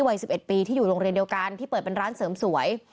วัย๑๑ปีที่อยู่โรงเรียนเดียวกันที่เปิดเป็นร้านเสริมสวย